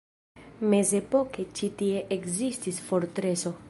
Mezepoke ĉi tie ekzistis fortreso.